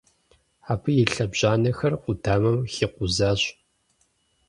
Абы и лъэбжьанэхэр къудамэм хикъузащ.